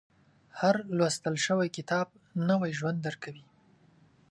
• هر لوستل شوی کتاب، نوی ژوند درکوي.